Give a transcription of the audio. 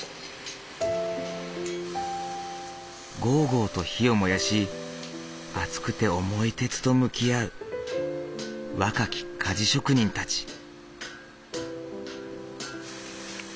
ごうごうと火を燃やし熱くて重い鉄と向き合う若き鍛冶職人たち。